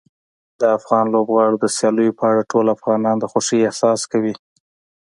د افغان لوبغاړو د سیالیو په اړه ټول افغانان د خوښۍ احساس کوي.